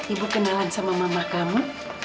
ibu kenalan sama mama kamu